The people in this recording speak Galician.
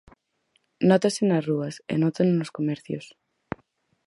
Nótase nas rúas, e nótano nos comercios.